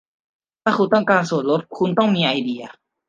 ถ้าคุณต้องการส่วนลด คุณต้องมีไอดี